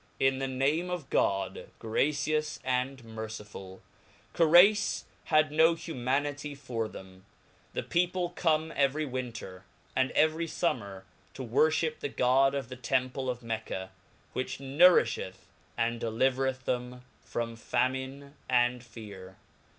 TN th^ name of God , gracious and merciful 1. Corei^ had no humanity for them ; the people come every winter, and every fummer, toworfliip the God of the Temple of Mecca ^ which nourifheth and delivereth thena from famine and fear.